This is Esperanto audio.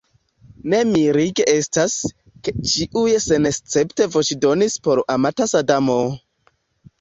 Ne mirige estas, ke ĉiuj senescepte voĉdonis por amata Sadamo!